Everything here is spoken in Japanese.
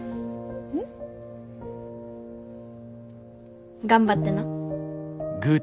ん？頑張ってな。